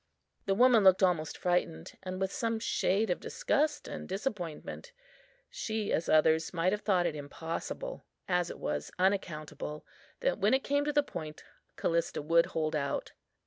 The woman looked almost frightened, and with some shade of disgust and disappointment. She, as others, might have thought it impossible, as it was unaccountable, that when it came to the point Callista would hold out.